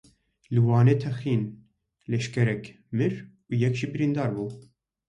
Li Wanê teqîn, leşkerek mir û yek jî birîndar bû.